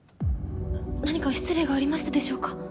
何か失礼がありましたでしょうか？